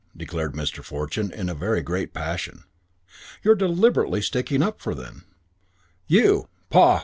declared Mr. Fortune in a very great passion. "You're deliberately sticking up for them. You pah!